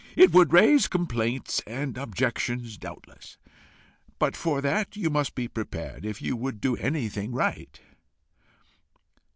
It would raise complaints and objections, doubtless; but for that you must be prepared if you would do anything right."